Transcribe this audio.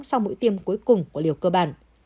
sau mũi tiêm cuối cùng của liều cơ bản